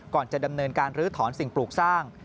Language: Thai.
ก่อนจะดำเนินการลื้อถอนสิ่งปลูกสร้าง